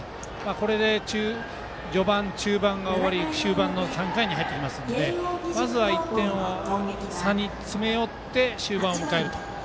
これで序盤、中盤が終わり終盤の３回に入ってきますのでまずは１点差に詰め寄って終盤を迎えると。